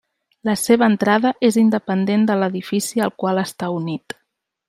La seva entrada és independent de l'edifici al qual està unit.